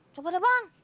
coba deh bang